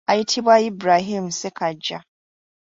Ayitibwa Ibrahin Ssekaggya.